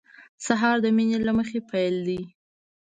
سهار د مینې له مخې پیل دی.